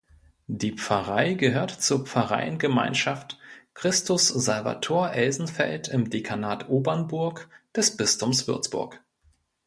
Die Pfarrei gehört zur Pfarreiengemeinschaft Christus Salvator Elsenfeld im Dekanat Obernburg des Bistums Würzburg.